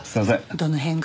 どの辺が？